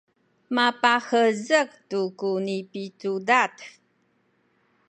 mapahezek tu ku nipicudad